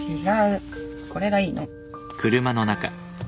これがいいの